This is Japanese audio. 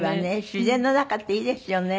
自然の中っていいですよね。